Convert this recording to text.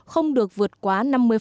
không được vượt quá năm mươi